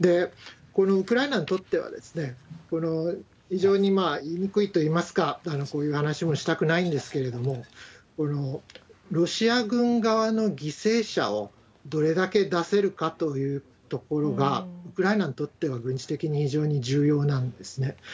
このウクライナにとっては、非常に言いにくいといいますか、こういう話もしたくないんですけれども、ロシア軍側の犠牲者をどれだけ出せるかというところが、ウクライナにとっては軍事的に非常に重要なんですね。